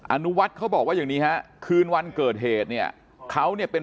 อนุวัฒน์เขาบอกว่าอย่างนี้ฮะคืนวันเกิดเหตุเนี่ยเขาเนี่ยเป็น